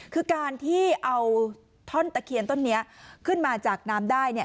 คือการที่เอาท่อนตะเคียนต้นนี้ขึ้นมาจากน้ำได้เนี่ย